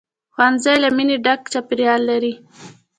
ښوونځی له مینې ډک چاپېریال لري